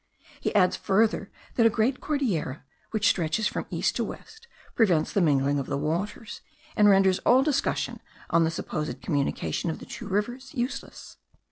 He adds further, that a great Cordillera, which stretches from east to west, prevents the mingling of the waters, and renders all discussion on the supposed communication of the two rivers useless.